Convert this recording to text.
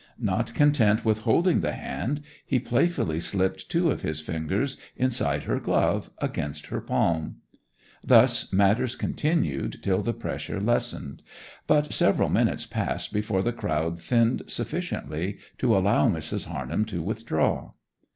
Not content with holding the hand, he playfully slipped two of his fingers inside her glove, against her palm. Thus matters continued till the pressure lessened; but several minutes passed before the crowd thinned sufficiently to allow Mrs. Harnham to withdraw.